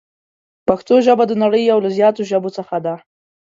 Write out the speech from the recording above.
پښتو ژبه د نړۍ یو له زیاتو ژبو څخه ده.